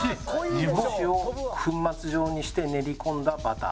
煮干しを粉末状にして練り込んだバター。